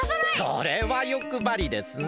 それはよくばりですねえ。